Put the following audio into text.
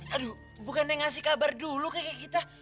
aduh bukan deh ngasih kabar dulu keke kita